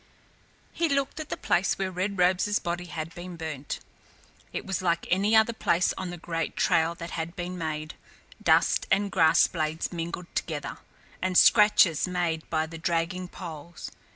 He looked at the place where Red Robe's body had been burnt. It was like any other place on the great trail that had been made, dust and grass blades mingled together, and scratches made by the dragging poles.